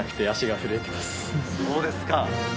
そうですか。